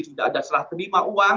sudah ada serah terima uang